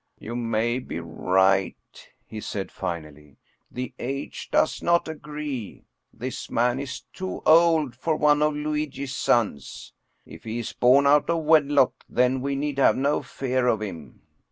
" You may be right," he said finally. " The age does not agree. This man is too old for one of Luigi's sons. If he is born out of wedKyk then we need have no fear of him!"